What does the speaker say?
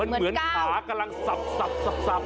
เหมือนก้าว